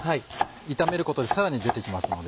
炒めることでさらに出てきますので。